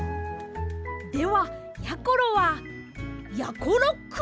ではやころはやころっく！